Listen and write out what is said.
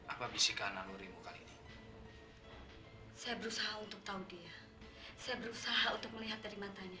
apa bisikan nalurimu kali ini saya berusaha untuk tahu dia saya berusaha untuk melihat dari matanya